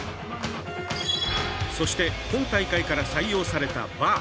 そして、今大会から採用されたヴァー。